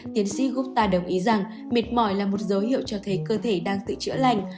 tiến sĩ gota đồng ý rằng mệt mỏi là một dấu hiệu cho thấy cơ thể đang tự chữa lành